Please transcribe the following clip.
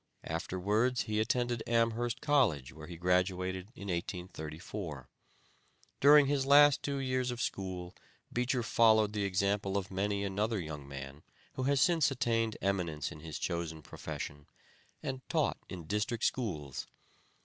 Afterwards he attended Amherst College where he graduated in 1834. During his last two years of school, Beecher followed the example of many another young man who has since attained eminence in his chosen profession, and taught in district schools.